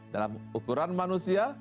dalam ukuran manusia